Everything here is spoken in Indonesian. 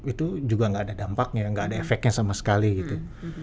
itu juga gak ada dampaknya gak ada efeknya sama sekali gitu